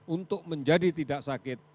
untuk menjadi tidak sakit